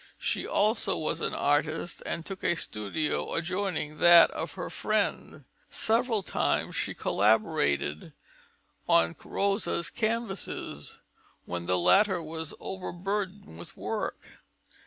She also was an artist and took a studio adjoining that of her friend; several times she collaborated on Rosa's canvases, when the latter was over burdened with work.